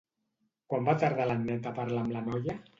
Quant va tardar l'Anneta a parlar amb la noia?